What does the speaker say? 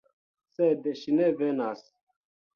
Sed ŝi ne venas.